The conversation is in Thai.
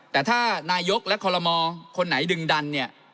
แต่ถ้านายกและคอลโลมอร์คนไหนดึงดัน